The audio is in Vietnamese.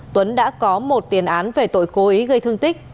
tuấn đã có một tiền án về tội cố ý gây thương tích